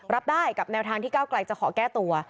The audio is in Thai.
รับได้กับแนวทางที่ก้าวไกลจะขอแก้ตัว